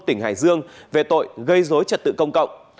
tỉnh hải dương về tội gây dối trật tự công cộng